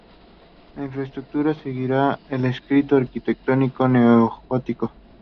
La infraestructura seguiría el estilo arquitectónico neogótico.